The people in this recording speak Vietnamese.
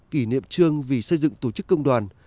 kỷ niệm trương vì xây dựng tổ chức công đoàn